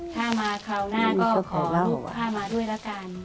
ถ้ามาคราวหน้าก็ขอลูกค่ามาด้วยละกัน